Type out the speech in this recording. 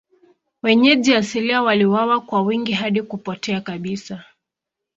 Wenyeji asilia waliuawa kwa wingi hadi kupotea kabisa.